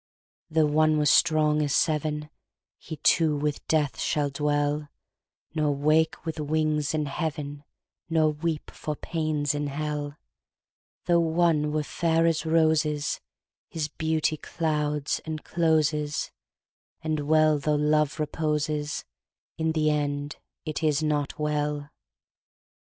Though one were strong as seven, He too with death shall dwell, Nor wake with wings in heaven, Nor weep for pains in hell; Though one were fair as roses, His beauty clouds and closes; And well though love reposes, In the end it is not well.